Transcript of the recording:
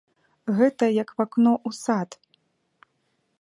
Гэта як вакно ў сад.